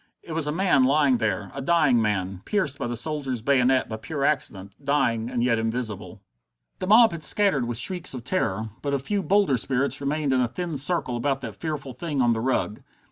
It was a man lying there, a dying man, pierced by the soldier's bayonet by pure accident, dying and yet invisible. The mob had scattered with shrieks of terror, but a few bolder spirits remained in a thin circle about that fearful thing on the rug.